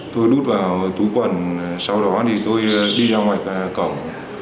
tôi đút vào túi quần sau đó tôi đi ra ngoài cổng